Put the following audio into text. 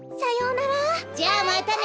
じゃあまたね。